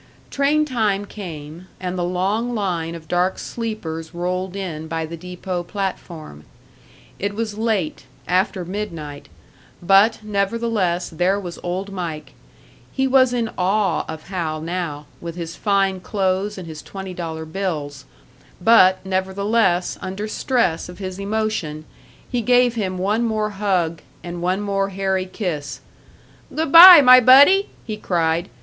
Train time came, and the long line of dark sleepers rolled in by the depot platform. It was late after midnight; but, nevertheless, there was Old Mike. He was in awe of Hal now, with his fine clothes and his twenty dollar bills; but, nevertheless, under stress of his emotion, he gave him one more hug, and one more hairy kiss. "Good bye, my buddy!" he cried.